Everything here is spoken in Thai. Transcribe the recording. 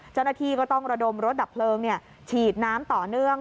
เจ้าหน้าที่ก็ต้องระดมรถดับเพลิงฉีดน้ำต่อเนื่อง